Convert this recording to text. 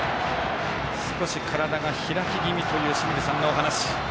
少し体が開き気味という清水さんのお話。